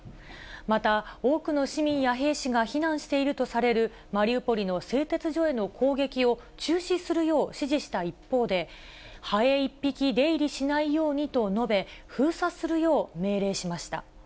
また、多くの市民や兵士が避難しているとされる、マリウポリの製鉄所への攻撃を中止するよう指示した一方で、ハエ一匹出入りしないようにと述べ、封鎖するよう命令しました。